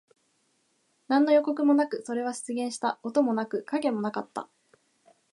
何の予告もなく、それは出現した。音もなく、影もなかった。